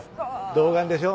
童顔でしょ？